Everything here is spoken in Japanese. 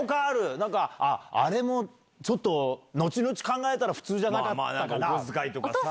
なんか、あっ、あれもちょっと、後々考えたら、普通じゃなかったお小遣いとかさ。